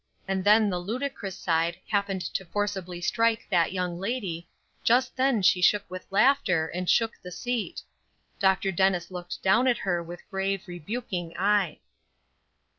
And then the ludicrous side happened to forcibly strike that young lady, just then she shook with laughter and shook the seat. Dr. Dennis looked down at her with grave, rebuking eye.